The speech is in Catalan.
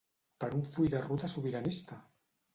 Per un full de ruta sobiranista!